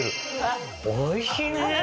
おいしいね！